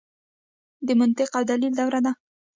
د منطق او دلیل دوره ده.